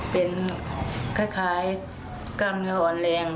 เป็นคล้ายกล้ามเนื้ออ่อนแรง